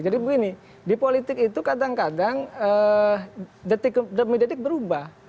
begini di politik itu kadang kadang detik demi detik berubah